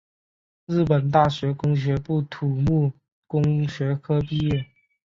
日本大学工学部土木工学科毕业。